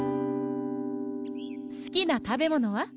すきなたべものは？